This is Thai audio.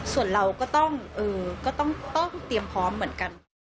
ส่วนเราก็ต้องเตรียมพร้อมเหมือนกัน